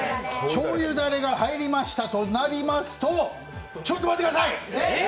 しょうゆだれが入りましたとなりますと、ちょっと待ってください！